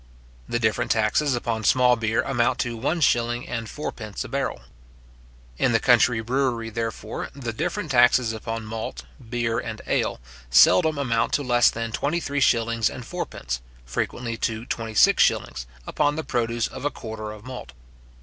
The different taxes upon small beer amount to one shilling and fourpence a barrel. In the country brewery, therefore, the different taxes upon malt, beer, and ale, seldom amount to less than twenty three shillings and fourpence, frequently to twenty six shillings, upon the produce of a quarter of malt.